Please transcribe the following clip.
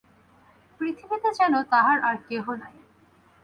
পৃথিবীতে যেন তাঁহার আর কেহ নাই।